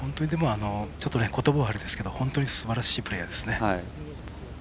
ちょっとことばが悪いですけど本当にすばらしいプレーヤーです。